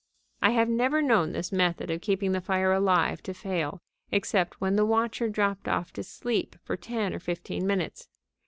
I have never known this method of keeping the fire alive to fail, except when the watcher dropped off to sleep for ten or fifteen minutes.